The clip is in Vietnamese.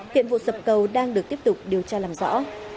hiện vụ sập cầu đang được tiếp tục điều tra làm rõ